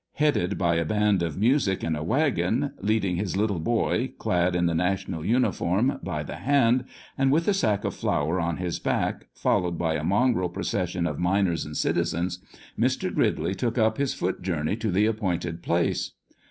Headed by a band of music in a waggon, leading his little boy, clad in the national uniform, by the hand, and with the sack of flour on his back, followed by a mongrel procession of miners and citizens, Mr. Gridley took up his foot journey to the appointed place.